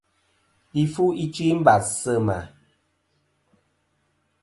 Li fu ichɨ i mbàs sɨ mà.